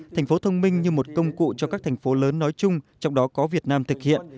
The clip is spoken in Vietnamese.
thành phố thông minh như một công cụ cho các thành phố lớn nói chung trong đó có việt nam thực hiện